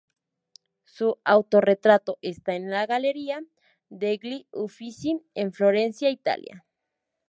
Su autorretrato está en la Galleria degli Uffizi en Florencia, Italia.